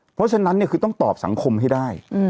เพราะฉะนั้นคือต้องตอบสังคมให้ได้